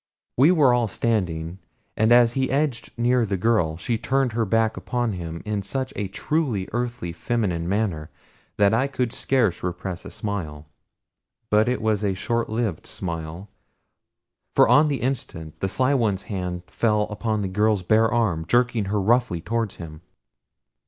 We were all standing, and as he edged near the girl she turned her back upon him in such a truly earthly feminine manner that I could scarce repress a smile; but it was a short lived smile for on the instant the Sly One's hand fell upon the girl's bare arm, jerking her roughly toward him.